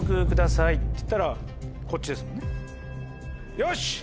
よし！